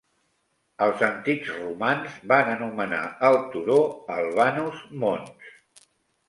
Els antics romans van anomenar el turó Albanus Mons.